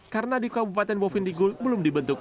karena di kabupaten bofendigul belum dibentuk